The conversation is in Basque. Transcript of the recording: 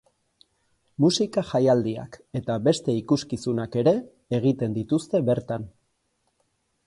Musika jaialdiak eta beste ikuskizunak ere egiten dituzte bertan.